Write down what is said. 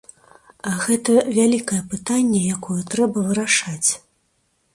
Гэта вялікае пытанне, якое трэба вырашаць.